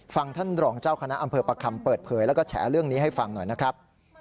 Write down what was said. ท่านรองเจ้าคณะอำเภอประคำเปิดเผยแล้วก็แฉเรื่องนี้ให้ฟังหน่อยนะครับ